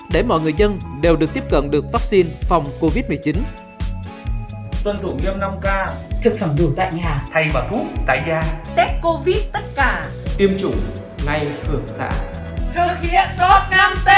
để mọi người dân đều được tiếp cận được vaccine phòng covid một mươi chín